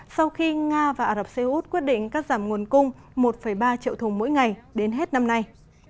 sau khi nga và ả rập xê út quyết định cắt giảm nguồn cung một ba triệu thùng mỗi ngày đến hết năm nay